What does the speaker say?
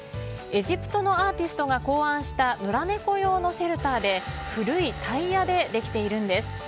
エジプトのアーティストが考案した野良猫用のシェルターで古いタイヤで出来ているんです。